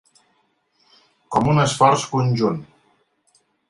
Com un esforç conjunt.